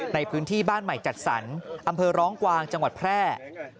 ในพื้นที่บ้านใหม่จัดสรรอำเภอร้องกวางจังหวัดแพร่